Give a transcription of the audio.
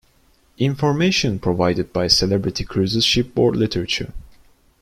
"Information provided by Celebrity Cruises shipboard literature"